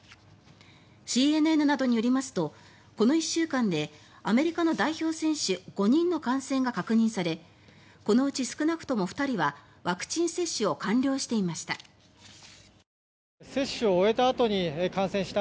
ＣＮＮなどによりますとこの１週間でアメリカの代表選手５人の感染が確認されこのうち少なくとも２人はワクチン接種を完了していました。